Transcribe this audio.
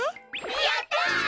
やった！